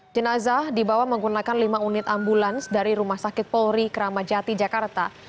jenazah dibawa menggunakan lima unit ambulans dari rumah sakit polri kramajati jakarta